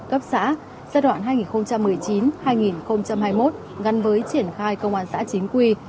cấp xã giai đoạn hai nghìn một mươi chín hai nghìn hai mươi một gắn với triển khai công an xã chính quy